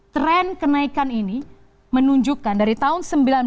tren kenaikan ini menunjukkan dari tahun seribu sembilan ratus sembilan puluh